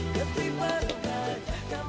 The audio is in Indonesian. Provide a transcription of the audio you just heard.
ketiba gajah kamu